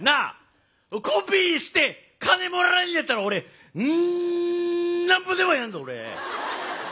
コピーして金もらえんやったら俺んなんぼでもやんぞ俺！